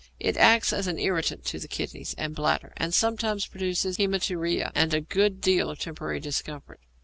It acts as an irritant to the kidneys and bladder, and sometimes produces haæmaturia and a good deal of temporary discomfort.